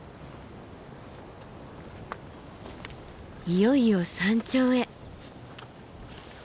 いよいよ山頂へ。